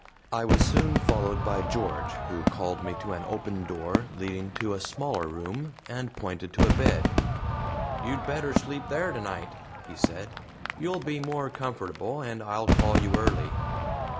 I was soon followed by George, who called me to an open door leading to a smaller room, and pointed to a bed. "You'd better sleep there tonight," he said; "you'll be more comfortable, and I'll call you early."